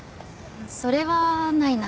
それはないな。